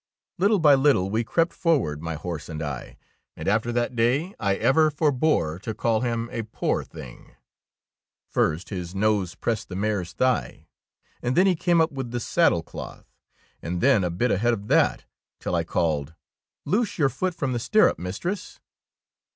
Little by little we crept forward, my horse and I, and after that day I ever forbore to call him a poor thing. First his nose pressed the mare's thigh, and then he came up with the saddle 12 THE KOBE OF THE DUCHESS cloth, and then a bit ahead of that, till I called, —'' Loose your foot from the stirrup, mistress."